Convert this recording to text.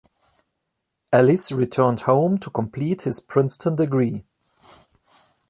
Allis returned home to complete his Princeton degree.